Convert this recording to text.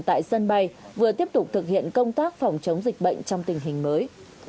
tại sân bay vừa tiếp tục thực hiện công tác phòng chống dịch bệnh trong tình hình mới